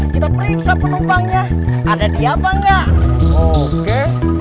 kita periksa penumpangnya ada dia bangga oke